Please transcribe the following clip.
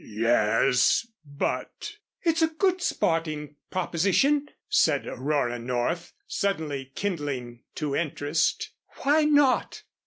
"Yes, but " "It's a good sporting proposition," said Aurora North, suddenly kindling to interest. "Why not?"